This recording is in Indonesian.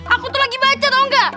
aku tuh lagi baca tau gak